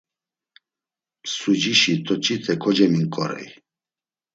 Msucişi toç̌ite koceminǩorey.